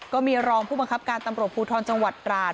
ก็มีรองผู้บังคับการตำรวจภูทรจังหวัดราช